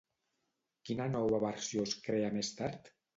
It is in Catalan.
Quina nova versió es crea més tard?